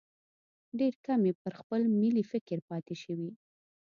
ډېر کم یې پر خپل ملي فکر پاتې شوي.